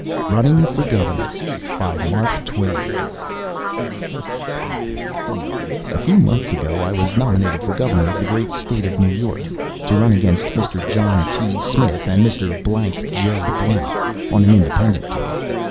RUNNING FOR GOVERNOR [Written about 1870.] A few months ago I was nominated for Governor of the great state of New York, to run against Mr. John T. Smith and Mr. Blank J. Blank on an independent ticket.